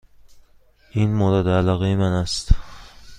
این مورد علاقه من است.